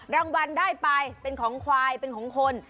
รางวัลได้ไปเป็นของควายเป็นของคน